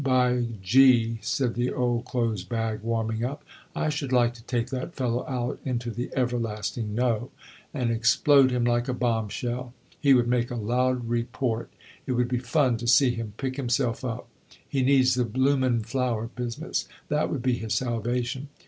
By G ,' said the old clothes bag, warming up, 'I should like to take that fellow out into the Everlasting No, and explode him like a bombshell; he would make a loud report; it would be fun to see him pick himself up. He needs the Blumine flower business; that would be his salvation.